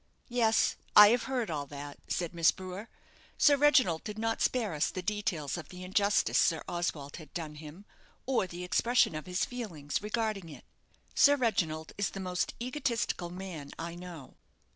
"Yes, I have heard all that," said Miss Brewer. "Sir Reginald did not spare us the details of the injustice Sir Oswald had done him, or the expression of his feelings regarding it. Sir Reginald is the most egotistical man I know."